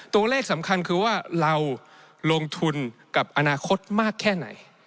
ตัวเลขสำคัญคือว่าเราลงทุนกับอนาคตมากแค่ไหน